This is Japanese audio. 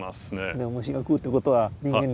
でも虫が食うってことは人間にもいいこと。